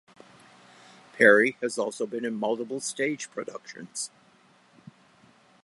Perry has also been in multiple stage productions.